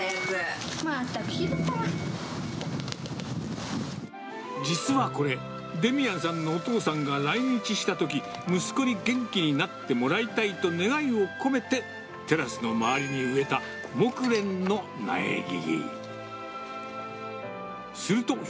まったく、実はこれ、デミアンさんのお父さんが来日したとき、息子に元気になってもらいたいと願いを込めて、テラスの周りに植えたモクレンの苗木。